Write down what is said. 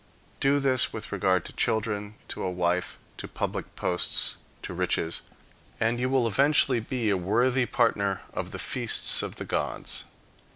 Do this with regard to children, to a wife, to public posts, to riches, and you will eventually be a worthy partner of the feasts of the gods.